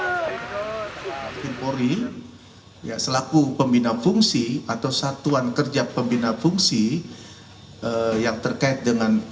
tni polri selaku pembina fungsi atau satuan kerja pembina fungsi yang terkait dengan